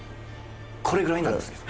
これぐらいなんですね。